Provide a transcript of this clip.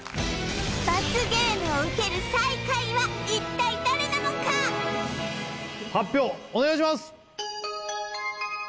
罰ゲームを受ける最下位は一体誰なのか発表お願いします